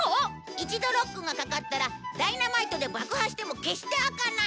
一度ロックがかかったらダイナマイトで爆破しても決して開かない！